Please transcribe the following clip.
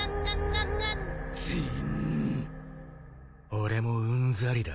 俺もうんざりだ。